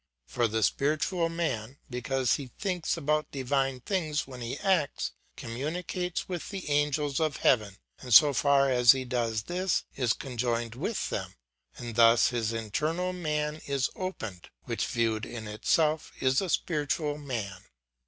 For the spiritual man, inasmuch as he thinks about divine things when he acts, communicates with the angels of heaven, and as far as he does this, he is conjoined with them, and thus his internal man is opened, which viewed in itself is a spiritual man.